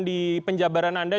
di penjabaran anda